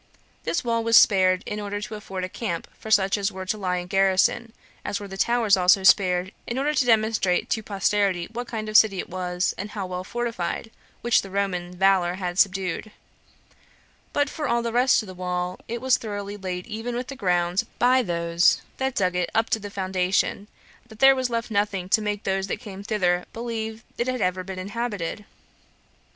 This wall was spared, in order to afford a camp for such as were to lie in garrison, as were the towers also spared, in order to demonstrate to posterity what kind of city it was, and how well fortified, which the Roman valor had subdued; but for all the rest of the wall, it was so thoroughly laid even with the ground by those that dug it up to the foundation, that there was left nothing to make those that came thither believe it had ever been inhabited.